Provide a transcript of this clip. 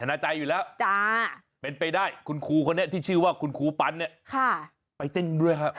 ชนะใจอยู่แล้วเป็นไปได้คุณครูที่ชื่อว่าครูปั๊นนะไปเต้นด้วยฮะ